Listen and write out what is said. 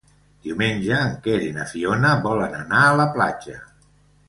Diumenge en Quer i na Fiona volen anar a la platja.